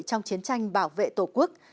trong chiến tranh bảo vệ tổ quốc